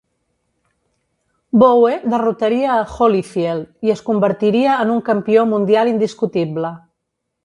Bowe derrotaria a Holyfield i es convertiria en un campió mundial indiscutible.